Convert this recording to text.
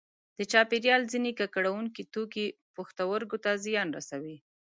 د چاپیریال ځینې ککړوونکي توکي پښتورګو ته زیان رسوي.